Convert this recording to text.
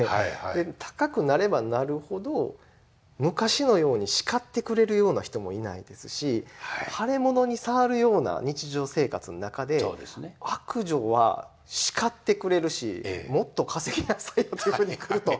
で高くなればなるほど昔のように叱ってくれるような人もいないですし腫れ物に触るような日常生活の中で悪女は叱ってくれるしもっと稼ぎなさいよというふうにくると。